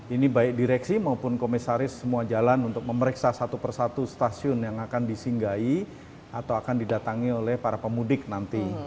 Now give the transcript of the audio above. ini baik direksi maupun komisaris semua jalan untuk memeriksa satu persatu stasiun yang akan disinggahi atau akan didatangi oleh para pemudik nanti